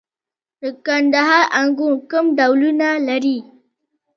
د کندهار انګور کوم ډولونه لري؟